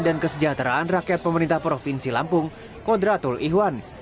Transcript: dan kesejahteraan rakyat pemerintah provinsi lampung kodratul ihwan